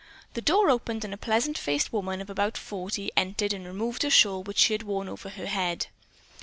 The door opened and a pleasant faced woman of about forty entered and removed a shawl which she had worn over her head.